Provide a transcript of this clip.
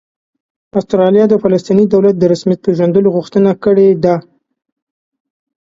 استرالیا د فلسطیني دولت د رسمیت پېژندلو غوښتنه کړې ده